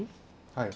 はい。